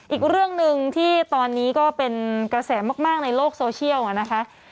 อีกเรื่องหนึ่งที่ตอนนี้ก็เป็นกระแสมากในโลกโซเชียลนะคะ